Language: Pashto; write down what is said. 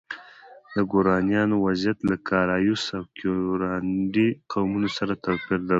د ګورانیانو وضعیت له کارایوس او کیورانډي قومونو سره توپیر درلود.